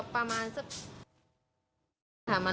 ประมาณ